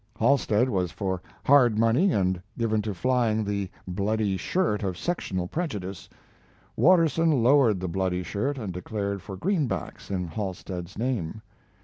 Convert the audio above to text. Halstead was for hard money and given to flying the "bloody shirt" of sectional prejudice; Watterson lowered the bloody shirt and declared for greenbacks in Halstead's name.